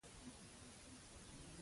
غوږونه د ښو خبرو نقل کوي